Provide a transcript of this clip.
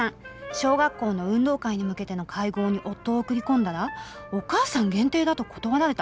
「小学校の運動会に向けての会合に夫を送り込んだらお母さん限定だと断られた」。